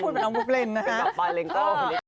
พูดเหมือนน้องบุ๊กเล่นนะค่ะ